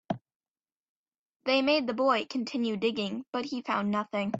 They made the boy continue digging, but he found nothing.